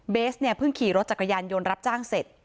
สเนี่ยเพิ่งขี่รถจักรยานยนต์รับจ้างเสร็จ